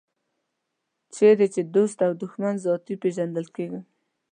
چېرې چې دوست او دښمن ذاتي پېژندل کېږي.